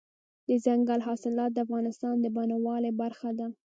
دځنګل حاصلات د افغانستان د بڼوالۍ برخه ده.